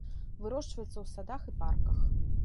Вырошчваецца ў садах і парках.